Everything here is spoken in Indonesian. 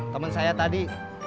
temen saya tadi